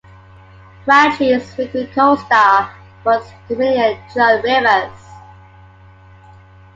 Franchi's frequent co-star was comedian Joan Rivers.